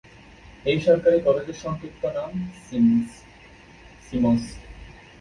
এই সরকারি কলেজের সংক্ষিপ্ত নাম "সিমস"।